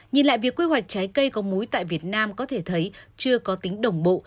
nhìn lại việc quy hoạch trái cây có múi tại việt nam có thể thấy chưa có tính đồng bộ